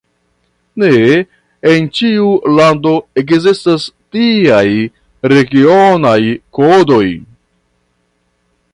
Ne en ĉiu lando ekzistas tiaj regionaj kodoj.